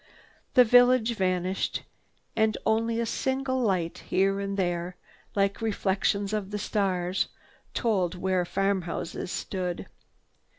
The village vanished and only a single light, here and there, like reflections of the stars, told where farm houses stood.